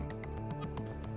pertahanan ibu kota